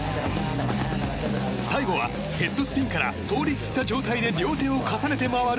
最後はヘッドスピンから倒立した状態で両手を重ねて回る